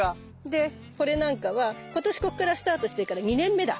でこれなんかは今年こっからスタートしてるから２年目だ。